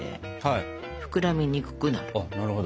なるほど。